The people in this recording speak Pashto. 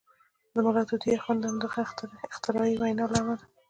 د ملا طوطي اخند د همدغې اختراعي وینا له امله.